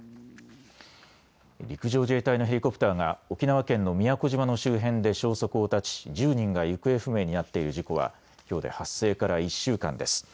陸上自衛隊のヘリコプターが沖縄県の宮古島の周辺で消息を絶ち１０人が行方不明になっている事故はきょうで発生から１週間です。